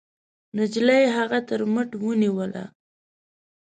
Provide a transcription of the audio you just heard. نجلۍ هغه تر مټ ونيوله.